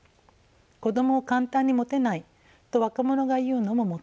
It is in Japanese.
子どもを簡単に持てないと若者が言うのももっともです。